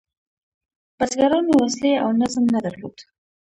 بزګرانو وسلې او نظم نه درلود.